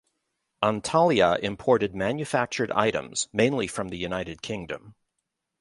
Antalya imported manufactured items, mainly from the United Kingdom.